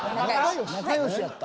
仲良しやった？